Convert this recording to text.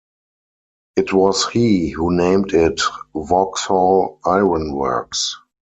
It was he who named it Vauxhall Iron Works.